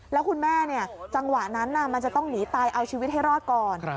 แล้วคุณแม่จังหวะนั้นมันจะต้องหนีตายเอาชีวิตให้รอดก่อน